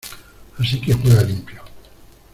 Así que juega limpio.